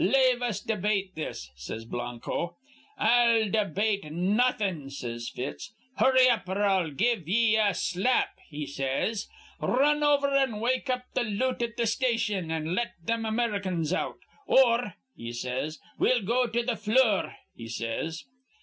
'Lave us debate this,' says Blanco. 'I'll debate nawthin', says Fitz. 'Hurry up, or I'll give ye a slap,' he says. 'R run over an' wake up th' loot at th' station, an' let thim Americans out, or,' he says, 'we'll go to the flure,' he says.